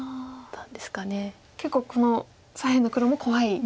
結構この左辺の黒も怖い。